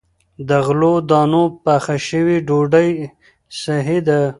د غلو- دانو پخه شوې ډوډۍ صحي ده.